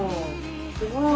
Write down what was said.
すごい。